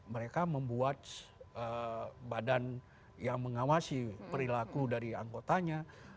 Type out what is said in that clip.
mereka membuat badan yang mengawasi perilaku dari anggotanya